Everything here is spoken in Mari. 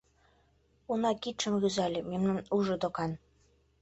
— Уна, кидшым рӱзале, мемнам ужо докан.